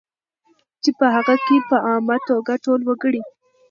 چې په هغې کې په عامه توګه ټول وګړي